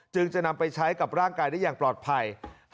จึงจะนำไปใช้กับร่างกายได้อย่างปลอดภัย